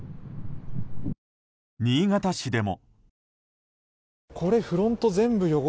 新潟市でも。